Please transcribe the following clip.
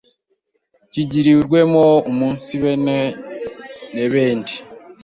kikigirwemo umunsibene n’ebendi.